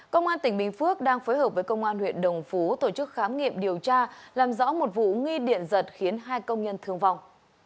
công an tỉnh bình phước đang phối hợp với công an huyện đồng phú tổ chức khám nghiệm điều tra làm rõ một vụ nghi điện giật khiến hai công nhân thương vong